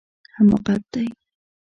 حماقت دی